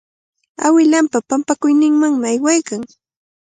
Awilanpa pampakuyninmanmi aywaykan.